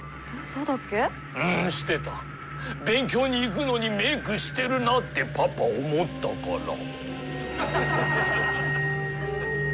勉強に行くのにメイクしてるなあってパパ思ったから。